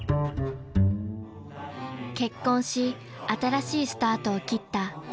［結婚し新しいスタートを切ったキックさん］